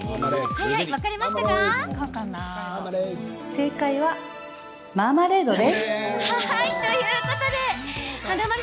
正解は、マーマレードです。